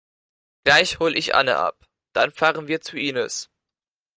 Gleich hol ich Anne ab. Dann fahren wir zu Inis.